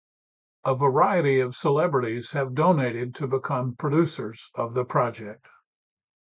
A variety of celebrities have donated to become producers of the project.